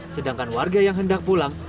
sedangkan warga yang hendak pulang